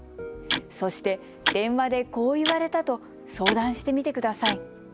そして、電話でこう言われたと相談してみてください。